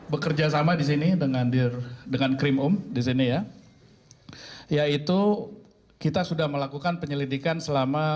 bekerja sama disini dengan krimum disini ya yaitu kita sudah melakukan penyelidikan selama